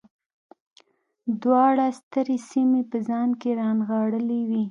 دواړو سترې سیمې په ځان کې رانغاړلې وې